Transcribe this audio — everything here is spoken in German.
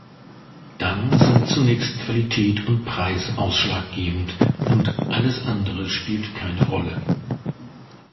Dann sind zunächst Qualität und Preis ausschlaggebend, und alles andere spielt keine Rolle.